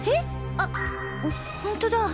あホントだ。